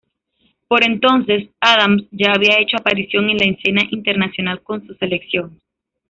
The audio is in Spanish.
Por entonces, Adams ya había hecho aparición en la escena internacional con su selección.